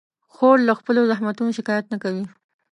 خور له خپلو زحمتونو شکایت نه کوي.